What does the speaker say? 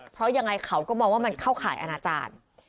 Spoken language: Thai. เพราะยังไงเขาก็มองว่ามันเข้าข่ายอนาจารย์